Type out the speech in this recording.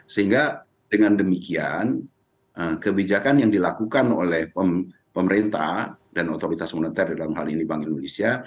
sehingga dengan demikian kebijakan yang dilakukan oleh pemerintah dan otoritas moneter dalam hal ini bank indonesia